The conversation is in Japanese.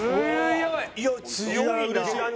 いや強いな。